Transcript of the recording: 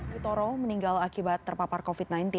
witoro meninggal akibat terpapar covid sembilan belas